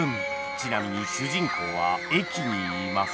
ちなみに主人公は駅にいます